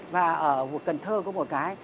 và ở cần thơ có một cái